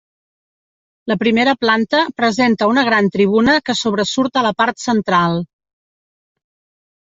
La primera planta presenta una gran tribuna que sobresurt a la part central.